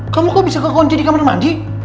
kamu kok bisa kekunci di kamar mandi